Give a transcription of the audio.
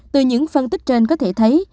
từ những phân tích trên có thể thấy